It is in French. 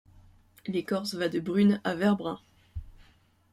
L'écorce va de brune à vert-brun.